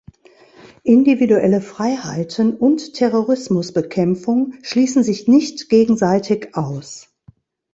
Individuelle Freiheiten und Terrorismusbekämpfung schließen sich nicht gegenseitig aus.